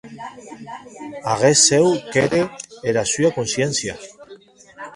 Aguest cèu qu’ère era sua consciéncia.